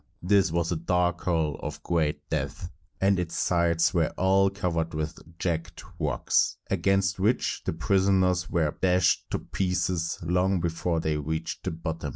This was a dark hole of great depth, and its sides were all covered with jagged rocks, against which the prisoners were dashed to pieces long before they reached the bottom.